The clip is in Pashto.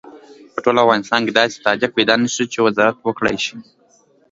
په ټول افغانستان کې داسې تاجک پیدا نه شو چې وزارت وکړای شي.